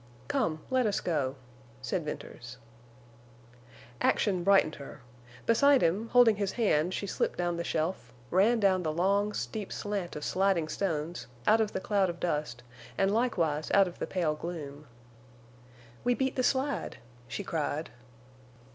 "Come, let us go," said Venters. Action brightened her. Beside him, holding his hand she slipped down the shelf, ran down the long, steep slant of sliding stones, out of the cloud of dust, and likewise out of the pale gloom. "We beat the slide," she cried.